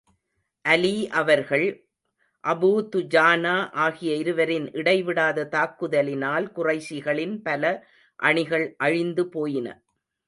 அலீ அவர்கள், அபூதுஜானா ஆகிய இருவரின் இடை விடாத தாக்குதலினால் குறைஷிகளின் பல அணிகள் அழிந்து போயின.